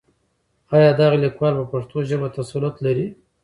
آيا دغه ليکوال په پښتو ژبه تسلط لري؟